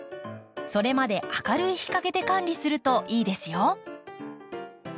それまで明るい日陰で管理するといいですよ。